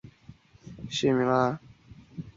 意见收集为期一个月。